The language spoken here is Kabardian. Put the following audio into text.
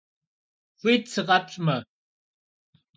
Xuit sıkhepş'me.